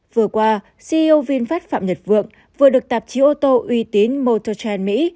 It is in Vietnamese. vừa qua ceo vinfast phạm nhật vượng vừa được tạp chí ô tô uy tín motor trend mỹ